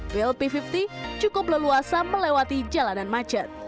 pil p lima puluh cukup leluasa melewati jalanan macet